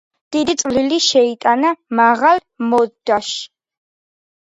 დიდი წვლილი შეიტანა მაღალ მოდაში.